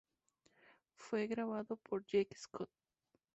Fue grabado por Jake Scott.